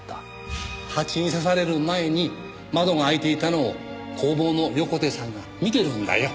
ハチに刺される前に窓が開いていたのを工房の横手さんが見てるんだよ。